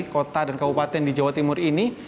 kota dan kabupaten di jawa timur ini